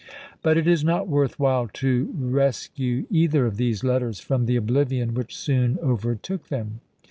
But it is not worth while to rescue either of these letters from the oblivion which soon overtook them.